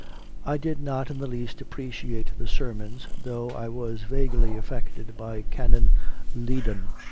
I did not in the least appreciate the sermons, though I was vaguely affected by Canon Liddon.